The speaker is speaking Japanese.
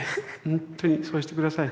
本当にそうして下さい。